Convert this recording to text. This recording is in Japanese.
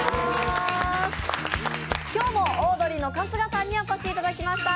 今日もオードリーの春日さんにお越しいただきまし。